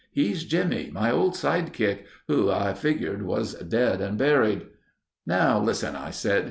He's Jimmy, my old sidekick, who, I figgered was dead and buried.' "'Now listen,' I said.